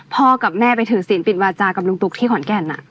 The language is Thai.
พ่อกับแม่ไปถือศีลปิดวาจากับลุงตุ๊กที่ขอนแก่น